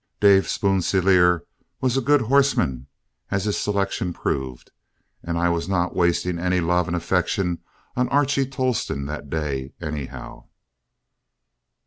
Dave Sponsilier was a good horseman, as his selections proved, and I was not wasting any love and affection on Archie Tolleston that day, anyhow.